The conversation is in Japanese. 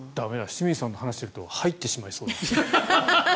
清水さんと話していると入ってしまいそうだ。